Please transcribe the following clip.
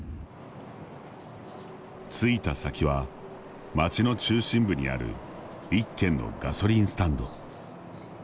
着いた先は、町の中心部にある１軒のガソリンスタンド。